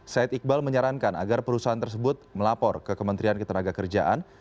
said iqbal menyarankan agar perusahaan tersebut melapor ke kementerian ketenaga kerjaan